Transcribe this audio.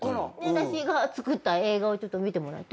私が作った映画を見てもらって。